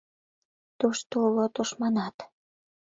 Тушто уло тушманат.